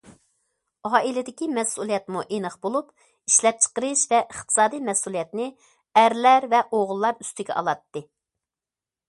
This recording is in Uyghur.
ئائىلىدىكى مەسئۇلىيەتمۇ ئېنىق بولۇپ، ئىشلەپچىقىرىش ۋە ئىقتىسادىي مەسئۇلىيەتنى ئەرلەر ۋە ئوغۇللار ئۈستىگە ئالاتتى.